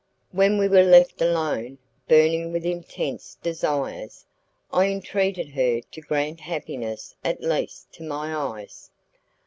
When we were left alone, burning with intense desires, I entreated her to grant happiness at least to my eyes.